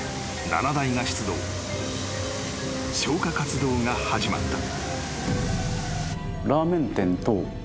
［消火活動が始まった］